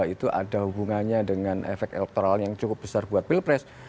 itu ada hubungannya dengan efek elektoral yang cukup besar buat pilpres